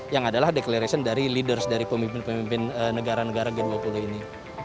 yang adalah declaration dari leaders dari pemimpin pemimpin negara negara g dua puluh ini